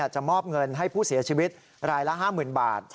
จะมอบเงินให้ผู้เสียชีวิตรายละ๕๐๐๐บาท